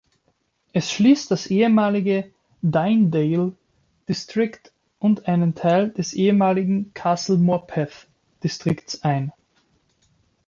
Es schließt das ehemalige Tynedale Distrikt und einen Teil des ehemaligen Castle Morpeth Distrikts ein.